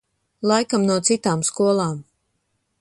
Laikam no citām skolām.